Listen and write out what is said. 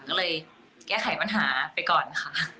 ก็เลยแก้ไขปัญหาไปก่อนค่ะ